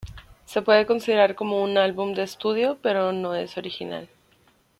Se puede considerar como un álbum de estudio pero no es original.